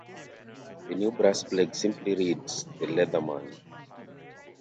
The new brass plaque simply reads The Leatherman.